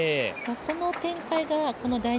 この展開がこの第２